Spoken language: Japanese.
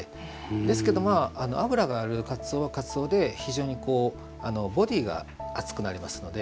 ですけど、まあ脂があるかつおはかつおで非常にボディーが厚くなりますので。